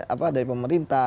apa dari pemerintah